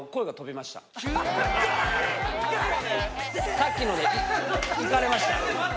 さっきのでイカレました。